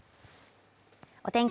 お天気